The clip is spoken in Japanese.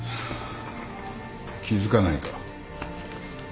気付かないか？